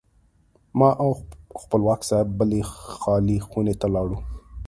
ما او خپلواک صاحب بلې خالي خونې ته لاړو.